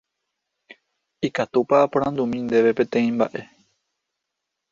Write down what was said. Ikatúpa aporandumi ndéve peteĩ mba'e.